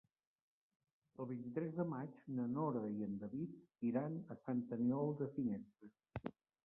El vint-i-tres de maig na Nora i en David iran a Sant Aniol de Finestres.